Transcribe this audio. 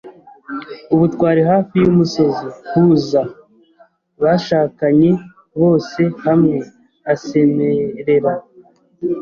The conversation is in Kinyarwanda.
Ubu twari hafi yumusozi. “Huzza, bashakanye, bose hamwe!” asemerera